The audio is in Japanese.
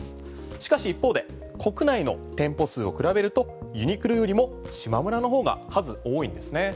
しかし一方で国内の店舗数を比べるとユニクロよりもしまむらの方が数多いんですね。